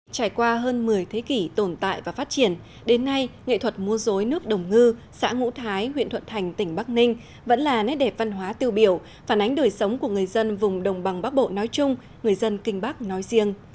trải qua hơn một mươi thế kỷ tồn tại và phát triển đến nay nghệ thuật mua dối nước đồng ngư xã ngũ thái huyện thuận thành tỉnh bắc ninh vẫn là nét đẹp văn hóa tiêu biểu phản ánh đời sống của người dân vùng đồng bằng bắc bộ nói chung người dân kinh bắc nói riêng